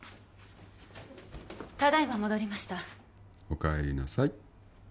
ただいま戻りましたお帰りなさい